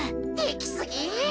できすぎ！